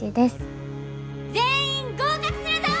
全員合格するぞ！